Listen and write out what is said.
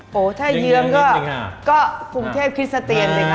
โอ้โฮถ้าเฮื้องก็กรุงเทพคริสต